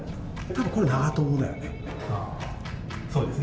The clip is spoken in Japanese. これは長友だよね。